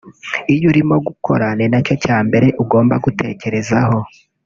iyo urimo gukora ni nacyo cya mbere ugomba gutekerezaho